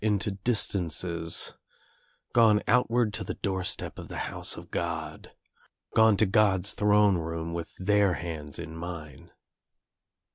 Into distances — gone outward to the doorstep of the house of God, gone to God's throne room with their hands in mine.